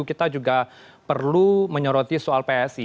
kita juga perlu menyoroti soal psi